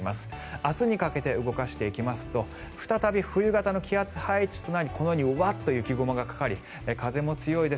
明日にかけて動かしていきますと再び冬型の気圧配置となりこのようにワッと雪雲がかかり風も強いです。